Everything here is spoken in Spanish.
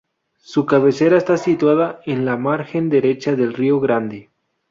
Su cabecera está situada en la margen derecha del Río Grande.